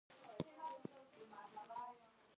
تر څو ونه پېژنو، بدبیني پاتې کېږي.